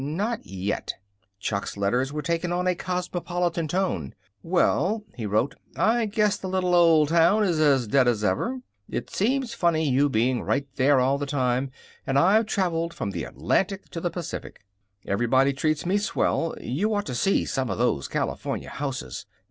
Not yet. Chuck's letters were taking on a cosmopolitan tone. "Well," he wrote, "I guess the little old town is as dead as ever. It seems funny you being right there all this time and I've traveled from the Atlantic to the Pacific. Everybody treats me swell. You ought to seen some of those California houses.